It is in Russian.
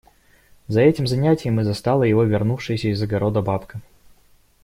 За этим занятием и застала его вернувшаяся из огорода бабка.